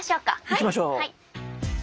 はい。